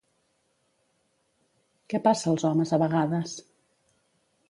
Què passa als homes a vegades?